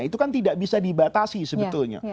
itu kan tidak bisa dibatasi sebetulnya